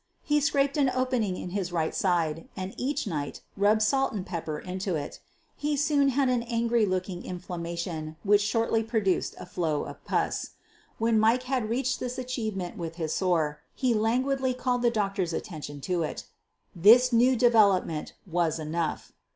He scraped an opening in his right side and each night rubbed salt and pepper into it. He soon had an angry looking inflammation which shortly produced a flow of pus. When Mike had reached this achievement with his sore he lan guidly called the doctor's attention to it. This new development was enough.